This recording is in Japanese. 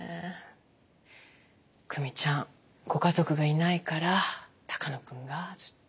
久美ちゃんご家族がいないから鷹野君がずっと。